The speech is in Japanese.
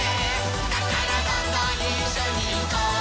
「だからどんどんいっしょにいこう」